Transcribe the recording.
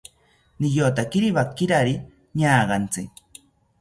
Niyotakiri wakirari ñaagantzi